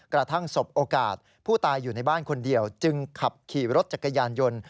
สบโอกาสผู้ตายอยู่ในบ้านคนเดียวจึงขับขี่รถจักรยานยนต์